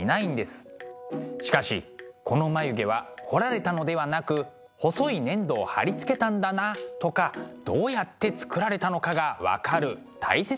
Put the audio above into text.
しかしこの眉毛は彫られたのではなく細い粘土を貼り付けたんだなとかどうやって作られたのかが分かる大切な資料でもあるんです。